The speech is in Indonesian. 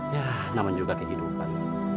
ya naman juga kehidupan